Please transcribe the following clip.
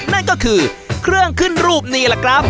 นั่นก็คือเครื่องขึ้นรูปนี่แหละครับ